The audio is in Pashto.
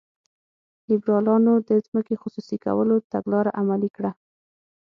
لیبرالانو د ځمکې خصوصي کولو تګلاره عملي کړه.